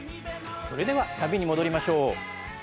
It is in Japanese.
それでは旅に戻りましょう。